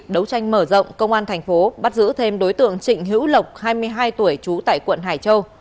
đấu tranh mở rộng công an thành phố bắt giữ thêm đối tượng trịnh hữu lộc hai mươi hai tuổi trú tại quận hải châu